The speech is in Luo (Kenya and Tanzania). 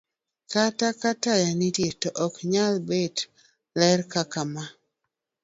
Kata ka taya nitie to ok nyal bet ler kaka ma